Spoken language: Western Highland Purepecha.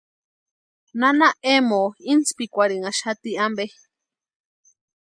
Nana Emoo intspikwarhinhaxati ampe.